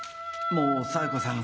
もう冴子さん